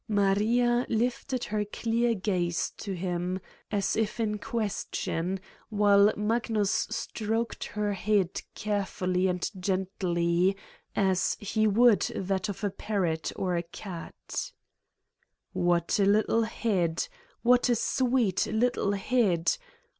Maria lifted her clear gaze to him, as if in question, while Magnus stroked her head carefully and gently, as he would that of a parrot or a cat : 1 1 What a little head! What a sweet, little head.